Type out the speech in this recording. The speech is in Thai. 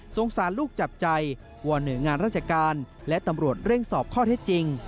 สารลูกจับใจวอนหน่วยงานราชการและตำรวจเร่งสอบข้อเท็จจริง